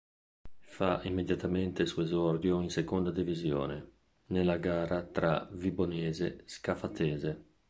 Fa immediatamente il suo esordio in Seconda Divisione, nella gara tra Vibonese-Scafatese.